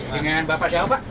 dengan bapak siapa pak